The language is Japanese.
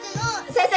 先生